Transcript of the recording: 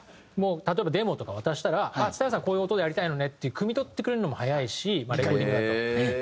もう例えばデモとか渡したら蔦谷さんこういう音でやりたいのねっていう汲み取ってくれるのも早いしレコーディングだと。